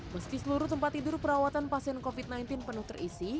meski seluruh tempat tidur perawatan pasien covid sembilan belas penuh terisi